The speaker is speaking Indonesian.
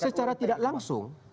secara tidak langsung